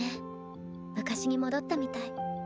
昔に戻ったみたい。